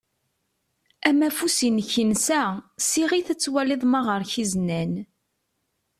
Amafus-inek insa. Siɣ-it ad twaliḍ ma ɣer-k izenan.